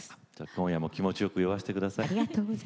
今夜も気持ちよく酔わせてください。